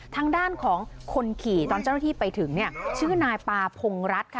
ทางด้านของคนขี่ตอนเจ้าหน้าที่ไปถึงเนี่ยชื่อนายปาพงรัฐค่ะ